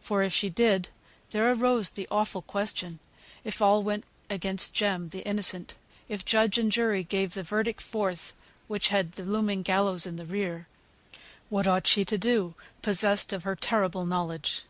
For if she did, there arose the awful question, if all went against Jem the innocent, if judge and jury gave the verdict forth which had the looming gallows in the rear, what ought she to do, possessed of her terrible knowledge?